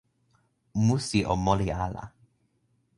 musi o moli ala.